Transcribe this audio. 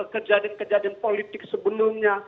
kejadian kejadian politik sebelumnya